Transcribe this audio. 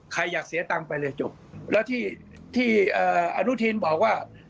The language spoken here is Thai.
ใครอยากเสียตังค์ไปเลยจบแล้วที่ที่อนุทินบอกว่า